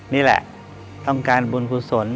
นี่แหละต้องการบุญภูตสน